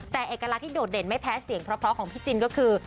แต่เอกลักษณ์ที่โดดเด่นไม่แพ้เสียงเพราะของพี่จินก็คือ